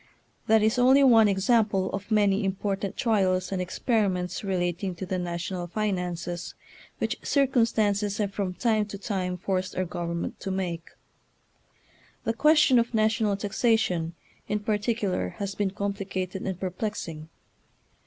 That is only one example of many important trials and experiments relating to the national finances which circumstances have from time to time forced our government to make. The question of national taxation, in particu lar, has been complicated and perplexing.